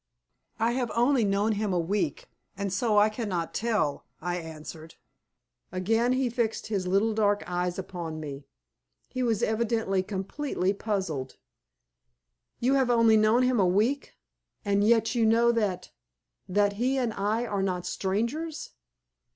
"I have only known him a week, and so I cannot tell," I answered. Again he fixed his little dark eyes upon me; he was evidently completely puzzled. "You have only known him a week, and yet you know that that he and I are not strangers?"